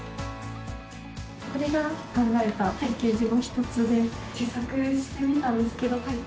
これが考えたパッケージの一つで自作してみたんですけど。